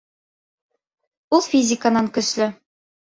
Ул физиканан көслө